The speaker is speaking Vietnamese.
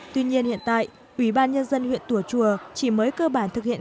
tuy nhiên hiện tại ủy ban nhân dân huyện tùa chùa chỉ mới cơ bản thực hiện